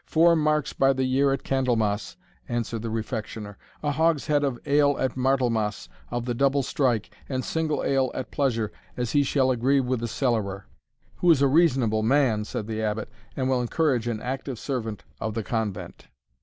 "Four marks by the year at Candlemas," answered the Refectioner. "A hogshead of ale at Martlemas, of the double strike, and single ale at pleasure, as he shall agree with the Cellarer " "Who is a reasonable man," said the Abbot, "and will encourage an active servant of the convent."